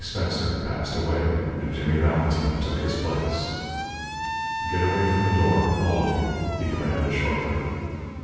Spencer passed away and Jimmy Valentine took his place. "Get away from the door, all of you," he commanded, shortly.